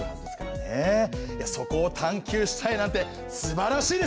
そこを探究したいなんてすばらしいですよ！